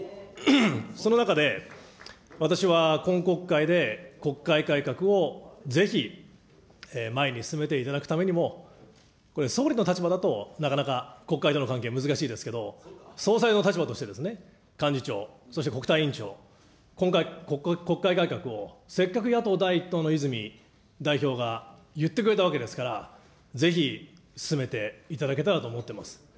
その中で、私は今国会で国会改革をぜひ前に進めていただくためにも、これ総理の立場だとなかなか国会との関係難しいですけれども、総裁の立場として幹事長、そして国対委員長、国会改革をせっかく野党第一党の泉代表が言ってくれたわけですから、ぜひ進めていただけたらと思っています。